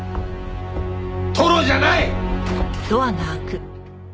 トロじゃない！